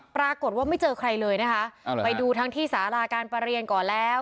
ปรากฏว่าไม่เจอใครเลยนะคะไปดูทั้งที่สาราการประเรียนก่อนแล้ว